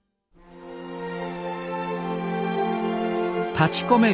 立ちこめる